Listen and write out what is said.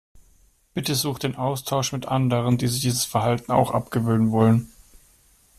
Bitte such den Austausch mit anderen, die sich dieses Verhalten auch abgewöhnen wollen.